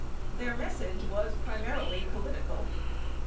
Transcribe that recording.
Their message was primarily political.